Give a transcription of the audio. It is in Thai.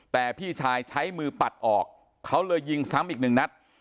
แต่พี่ชายใช้มือปัดออกเขาเลยยิงซ้ำอีกหนึ่งนัด